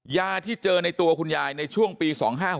ยาที่เจอในตัวคุณยายในช่วงปี๒๕๖๖